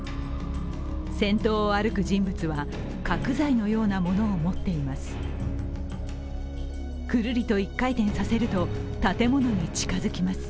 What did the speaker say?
先頭を歩く人物は角材のようなものを持っています。